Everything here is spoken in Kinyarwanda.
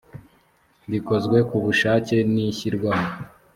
rikozwe ku bushake n ishyirwaho